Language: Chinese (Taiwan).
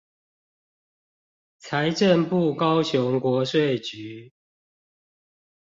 財政部高雄國稅局